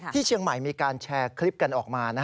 ที่เชียงใหม่มีการแชร์คลิปกันออกมา